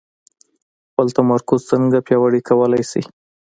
خپل تمرکز څنګه پياوړی کولای شئ؟